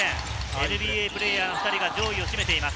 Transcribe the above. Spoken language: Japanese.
ＮＢＡプレーヤーの２人が上位を占めています。